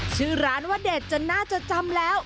ชื่อร้านว่าเด็ดจนน่าจะจำแล้ว